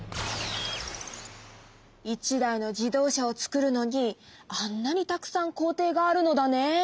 １台の自動車をつくるのにあんなにたくさん工程があるのだね。